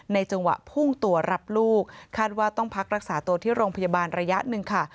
จังหวะพุ่งตัวรับลูกคาดว่าต้องพักรักษาตัวที่โรงพยาบาลระยะหนึ่งค่ะ